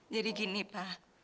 jadi gini pa